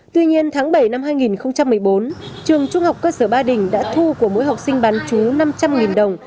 tuy nhiên tháng bảy năm hai nghìn một mươi bốn trường trung học cơ sở ba đình đã thu của mỗi học sinh bán chú năm trăm linh đồng